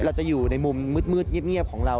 เราจะอยู่ในมุมมืดเงียบของเรา